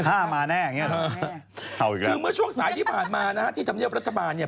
คือเมื่อช่วงสายที่ผ่านมานะฮะที่ทำเรียบรัฐบาลเนี่ย